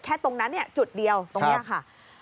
แค่ตรงนั้นเนี่ยจุดเดียวตรงนี้ค่ะ